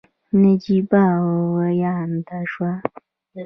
نجيبه ورياده شوه.